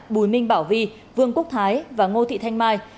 bùi minh bảo vi vương quốc thái và ngô thị thanh mai